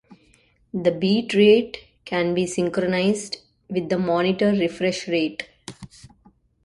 The beat rate can be synchronized with the monitor refresh rate.